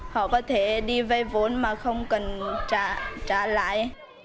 họ có thể đi vay vốn mà không cần trả lại